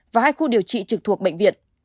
và hai khu điều trị trực thuộc bệnh viện